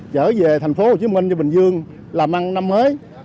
chở về thành phố hồ chí minh bình dương làm ăn năm mới